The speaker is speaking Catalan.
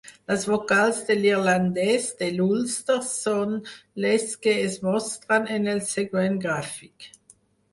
Les vocals de l'irlandès de l'Ulster són les que es mostren en el següent gràfic.